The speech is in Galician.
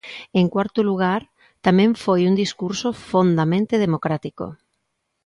En cuarto lugar, tamén foi un discurso fondamente democrático.